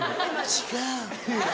「違う」。